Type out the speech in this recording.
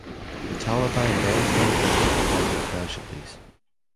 The Taliban launched an offensive causing casualties.